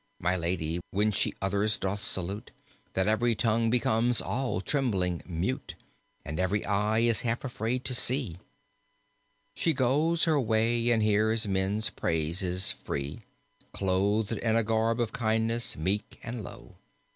My Lady, when she others doth salute, That every tongue becomes, all trembling, mute, And every eye is half afraid to see; She goes her way and hears men's praises free. Clothed in a garb of kindness, meek and low.